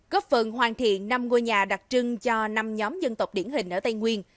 góp phần hoàn thiện năm ngôi nhà đặc trưng cho năm nhóm dân tộc điển hình ở tây nguyên